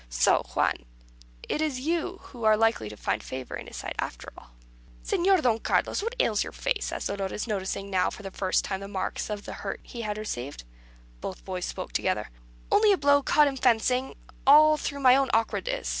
So, Juan, it is you who are likely to find favour in his sight, after all." "Señor Don Carlos, what ails your face?" asked Dolores, noticing now for the first time the marks of the hurt he had received. Both the boys spoke together. "Only a blow caught in fencing; all through my own awkwardness.